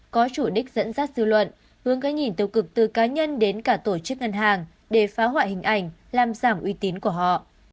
có chủ đích dẫn dắt dư luận hướng gây nhìn tiêu cực từ cá nhân đến cả tổ chức ngân hàng để phá hoại hình ảnh làm giảm uy tín của họ